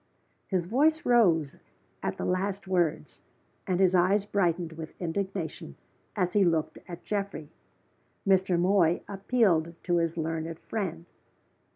His voice rose at the last words, and his eyes brightened with indignation as he looked at Geoffrey. Mr. Moy appealed to his learned friend.